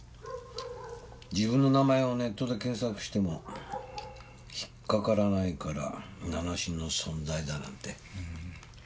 自分の名前をネットで検索しても引っ掛からないから名無しの存在だなんて。